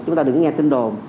chúng ta đừng có nghe tin đồn